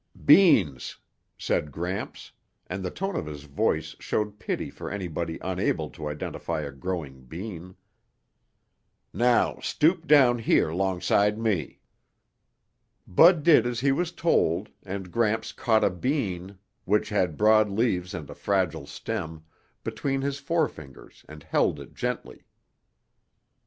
"Beans," said Gramps, and the tone of his voice showed pity for anybody unable to identify a growing bean. "Now stoop down here 'longside me." Bud did as he was told and Gramps caught a bean, which had broad leaves and a fragile stem, between his forefingers and held it gently.